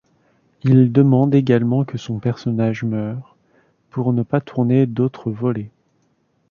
Il demande également que son personnage meure, pour ne pas tourner d'autres volets.